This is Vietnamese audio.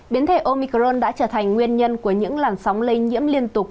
biến thể omicron đã trở thành nguyên nhân của những làn sóng lây nhiễm liên tục